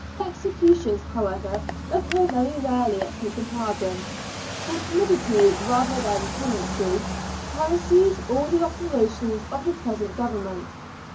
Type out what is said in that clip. Executions, however, occur very rarely at Copenhagen; for timidity, rather than clemency, palsies all the operations of the present Government.